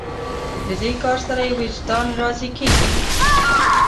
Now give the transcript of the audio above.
له دې کار سره یې وجدان راضي کېږي.